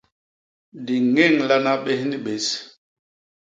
Di ññénlana bés ni bés.